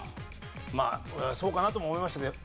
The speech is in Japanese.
まあそうかなとも思いましたけど。